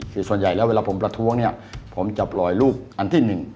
คือส่วนใหญ่แล้วเวลาผมประท้วงผมจะปล่อยลูกอันที่หนึ่ง